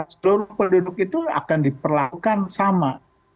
seluruh penduduk itu akan diperlakukan sama